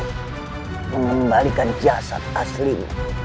dan mengembalikan jasadmu